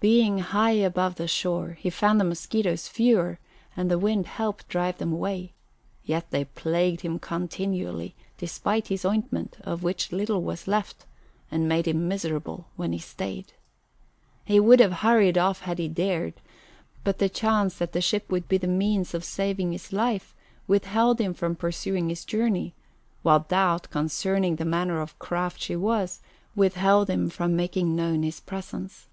Being high above the shore, he found the mosquitoes fewer and the wind helped drive them away; yet they plagued him continually, despite his ointment, of which little was left, and made him miserable while he stayed. He would have hurried off had he dared; but the chance that the ship would be the means of saving his life withheld him from pursuing his journey, while doubt concerning the manner of craft she was withheld him from making known his presence.